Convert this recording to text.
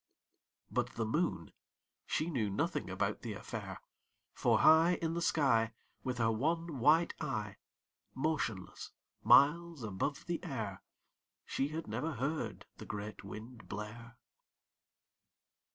But the Moon, she knew nothing about the affair, For high In the sky, With her one white eye, Motionless, miles above the air, She had never heard the great Wind blare.